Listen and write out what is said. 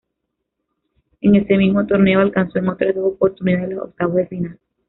En ese mismo torneo alcanzó en otras dos oportunidades los octavos de final.